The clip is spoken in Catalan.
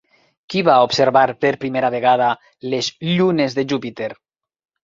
Qui va observar per primera vegada les llunes de Júpiter?